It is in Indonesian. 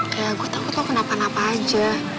kayak gue takut lo kenapa napa aja